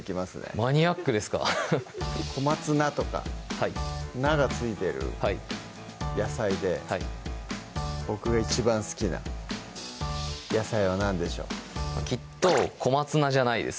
マニアックですか小松菜とか「菜」が付いてる野菜で僕が一番好きな野菜は何でしょうきっと小松菜じゃないです